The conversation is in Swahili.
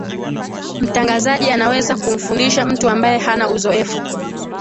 mtangazaji anaweza kumfundisha mtu ambaye hana uzoefu